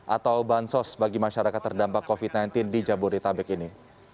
atau bansos bagi masyarakat terdampak covid sembilan belas di jabodetabek ini